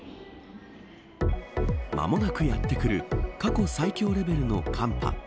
間もなくやってくる過去最強レベルの寒波。